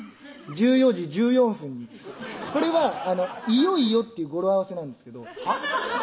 １４時１４分にこれは「いよいよ」っていう語呂合わせなんですけどはぁ？